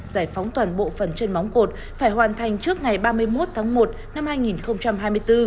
giải phóng toàn bộ phần trên móng cột phải hoàn thành trước ngày ba mươi một tháng một năm hai nghìn hai mươi bốn